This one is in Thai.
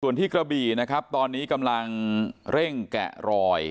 ส่วนที่กระบี่นะครับตอนนี้กำลังเร่งแกะรอย